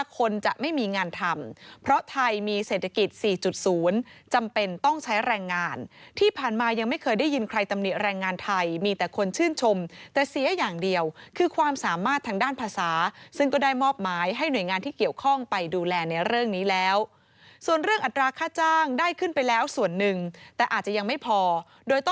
คนจะไม่มีงานทำเพราะไทยมีเศรษฐกิจ๔๐จำเป็นต้องใช้แรงงานที่ผ่านมายังไม่เคยได้ยินใครตำหนิแรงงานไทยมีแต่คนชื่นชมแต่เสียอย่างเดียวคือความสามารถทางด้านภาษาซึ่งก็ได้มอบหมายให้หน่วยงานที่เกี่ยวข้องไปดูแลในเรื่องนี้แล้วส่วนเรื่องอัตราค่าจ้างได้ขึ้นไปแล้วส่วนหนึ่งแต่อาจจะยังไม่พอโดยต